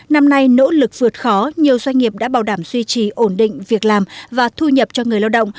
năm nay nỗ lực vượt khó nhiều doanh nghiệp đã bảo đảm duy trì ổn định việc làm và thu nhập cho người lao động